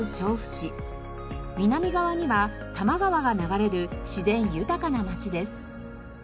南側には多摩川が流れる自然豊かな町です。